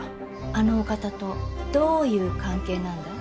あのお方とどういう関係なんだい？